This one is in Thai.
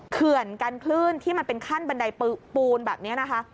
เขื่อนกันคลื่นที่มันเป็นขั้นบันไดปูนแบบนี้นะคะ